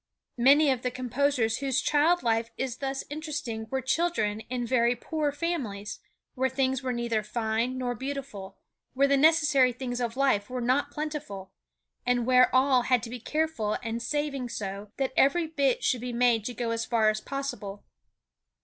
Many of the composers whose child life is thus interesting were children in very poor families, where things were neither fine nor beautiful, where the necessary things of life were not plentiful, and where all had to be careful and saving so that every bit should be made to go as far as possible.